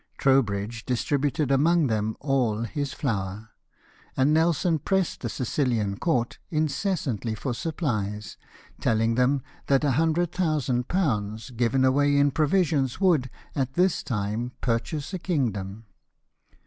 Trowbridge distributed among them all his flour ; and Nelson pressed the Sicilian court incessantly for supplies, telling them that £100,000 given away in provisions would, at this time, purchase a kingdom.